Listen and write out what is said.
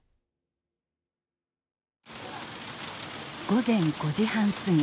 午前５時半過ぎ。